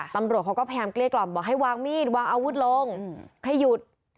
ตำรวจเขาก็พยายามเกลี้ยกล่อมบอกให้วางมีดวางอาวุธลงให้หยุด